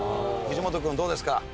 藤本君どうですか？